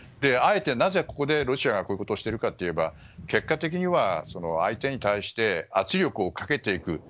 あえて、なぜここでロシアがこういうことをしてるかといえば結果的には相手に対して圧力をかけていく。